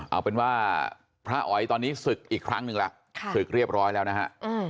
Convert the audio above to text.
เอาเป็นว่าพระอ๋อยตอนนี้ศึกอีกครั้งหนึ่งแล้วศึกเรียบร้อยแล้วนะฮะ